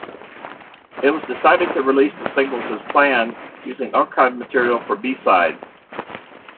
It was decided to release the singles as planned, using archive material for B-sides.